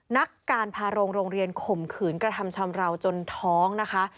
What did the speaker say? นักการพาโรงโรงเรียนข่มขืนกระทำชำราวจนท้องนะคะ